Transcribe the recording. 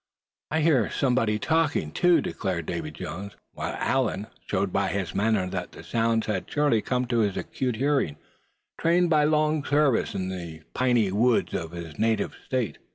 "I heard somebody talking, too!" declared Davy Jones; while Allan showed by his manner that the sounds had surely come to his acute hearing, trained by long service in the piney woods of his native state.